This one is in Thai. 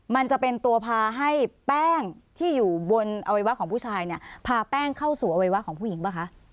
มันจะเป็นตัวพาให้แป้งที่อยู่บนอวัยวะของผู้ชายเนี่ยพาแป้งเข้าสู่อวัยวะของผู้หญิงป่ะคะ